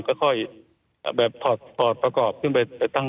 ก็ค่อยแบบถอดประกอบขึ้นไปตั้ง